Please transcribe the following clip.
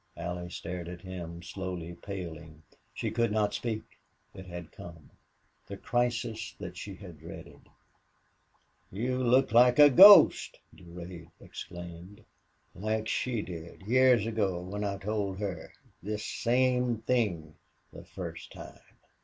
Allie stared at him, slowly paling. She could not speak. It had come the crisis that she had dreaded. "You look like a ghost!" Durade exclaimed. "Like she did, years ago when I told her this same thing the first time!"